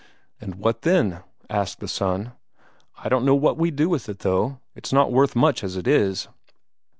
"And what then?" asked the son. "I don't know what we'd do with it, though; it's not worth much as it is."